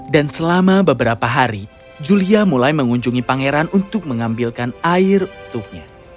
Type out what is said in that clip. dan selama beberapa hari julia mulai mengunjungi pangeran untuk mengambilkan air untuknya